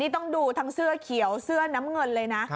ต้องดูทั้งเสื้อเขียวเสื้อน้ำเงินเลยนะ